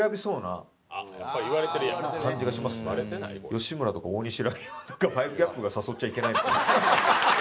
吉村とか大西ライオンとか５ＧＡＰが誘っちゃいけない。